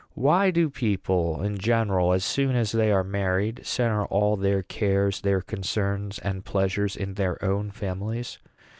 Why do people in general, as soon as they are married, centre all their cares, their concerns, and pleasures in their own families?